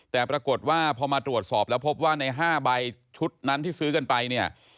แต่ปรากฏว่าพอมาตรวจสอบแล้วพบว่าใน๕ใบชุดนั้นที่ซื้อกันไปเนี่ย